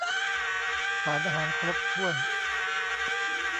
สารอาหารครบถ้วน